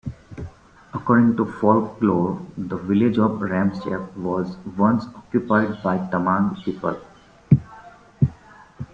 According to folklore, the village of Ramechhap was once occupied by Tamang people.